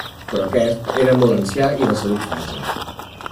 Però aquest era molt ancià i de salut fràgil.